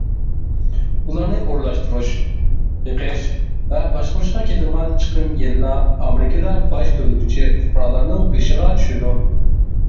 ئۇلارنى ئورۇنلاشتۇرۇش، بېقىش ۋە باشقۇرۇشقا كېتىدىغان چىقىم يەنىلا ئامېرىكىدا باج تۆلىگۈچى پۇقرالارنىڭ بېشىغا چۈشىدۇ.